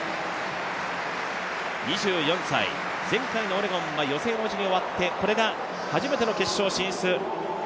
２４歳、前回のオレゴンは予選落ちに終わってこれが初めての決勝進出。